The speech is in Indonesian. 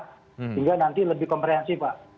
sehingga nanti lebih komprehensif pak